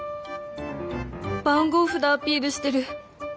番号札アピールしてる。